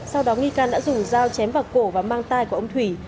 sau đó nghi can đã dùng dao chém vào cổ và mang tay của ông thủy